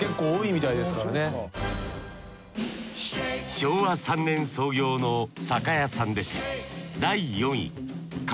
昭和３年創業の酒屋さんです